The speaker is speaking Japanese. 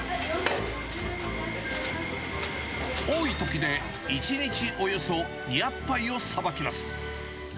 多いときで１日およそ２００杯をさばきます。